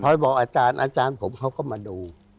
บอกอาจารย์อาจารย์ผมเขาก็มาดู